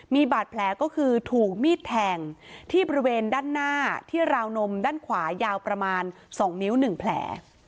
มีบาดแผลก็คือถูกมีดแทงที่บริเวณด้านหน้าที่ราวนมด้านขวายาวประมาณ๒นิ้ว๑แผล